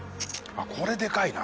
これでかいな。